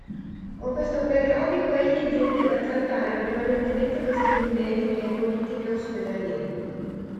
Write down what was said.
Con questo periodico egli intendeva trattare prevalentemente questioni mediche e politiche ospedaliere.